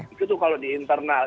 itu kalau di internal